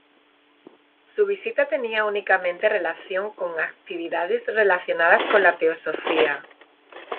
Su visita tenia únicamente relación con actividades relacionadas con la Teosofía.